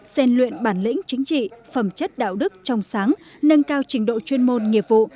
xen luyện bản lĩnh chính trị phẩm chất đạo đức trong sáng nâng cao trình độ chuyên môn nghiệp vụ